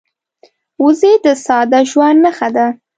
وزې د ساده ژوند نښه ده